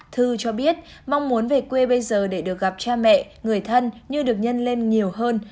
thư cho biết mong muốn về quê bây giờ để được gặp cha mẹ người thân như được nhân lên nhiều hơn